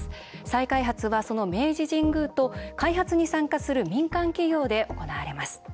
再開発は、その明治神宮と開発に参加する民間企業で行われます。